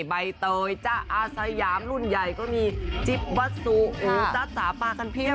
ใบเตยจ๊ะอาสยามรุ่นใหญ่ก็มีจิ๊บวัสซูอู๋จ๊ะจ๋าปลากันเพียบ